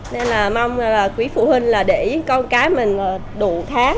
nên là mong quý phụ huynh là để con cái mình đủ tháng